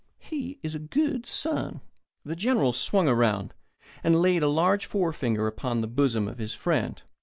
He is a good son." The General swung round, and laid a large forefinger upon the bosom of his friend.